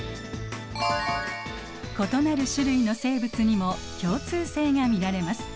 異なる種類の生物にも共通性が見られます。